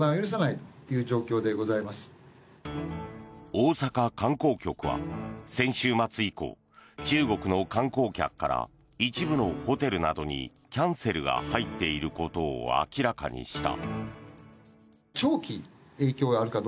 大阪観光局は先週末以降中国の観光客から一部のホテルなどにキャンセルが入っていることを明らかにした。